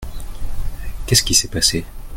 Qu’est-ce qui s’est passé ?